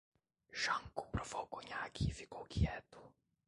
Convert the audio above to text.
Janko provou conhaque e ficou quieto.